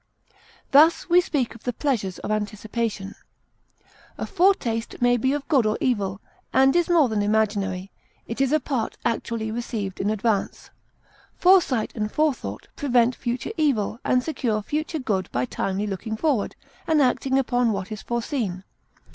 Thus, we speak of the pleasures of anticipation. A foretaste may be of good or evil, and is more than imaginary; it is a part actually received in advance. Foresight and forethought prevent future evil and secure future good by timely looking forward, and acting upon what is foreseen.